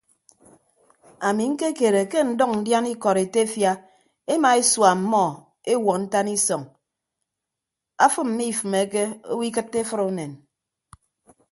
Ami ñkekere ke ndʌñ ndiana ikọd etefia ema esua ọmmọ ewuọ ntan isọñ afịm mmifịmeke owo ikịtte efʌd unen.